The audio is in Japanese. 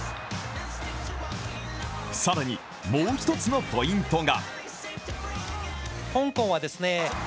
更にもう一つのポイントが。